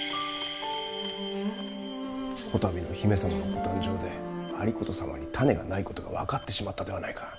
こたびの姫様のご誕生で有功様に胤がないことが分かってしまったではないか。